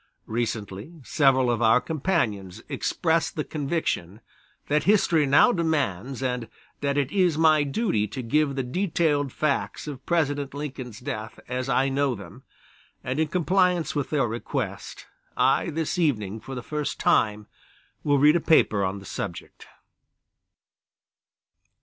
Recently, several of our Companions expressed the conviction, that history now demands, and that it is my duty to give the detailed facts of President Lincoln's death as I know them, and in compliance with their request, I this evening for the first time will read a paper on the subject.